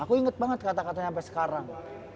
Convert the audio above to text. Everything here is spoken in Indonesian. aku inget banget kata katanya sampai sekarang